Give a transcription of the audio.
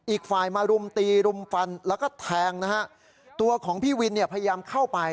อีกฝ่ายมารุมตีรุมฟันแล้วก็แทงนะฮะตัวของพี่วินเนี่ยพยายามเข้าไป